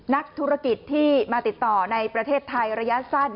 นักธุรกิจที่มาติดต่อในประเทศไทยระยะสั้น